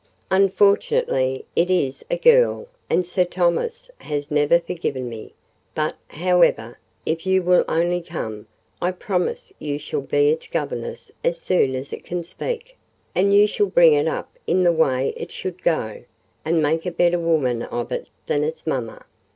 Unfortunately, it is a girl, and Sir Thomas has never forgiven me: but, however, if you will only come, I promise you shall be its governess as soon as it can speak; and you shall bring it up in the way it should go, and make a better woman of it than its mamma.